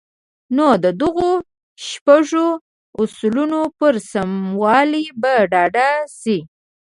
نو د دغو شپږو اصلونو پر سموالي به ډاډه شئ.